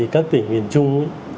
các tỉnh miền trung